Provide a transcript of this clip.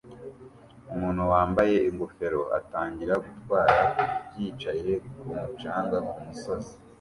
Umuntu wambaye ingofero atangira gutwara yicaye kumu canga kumusozi